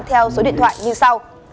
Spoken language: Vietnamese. theo số điện thoại như sau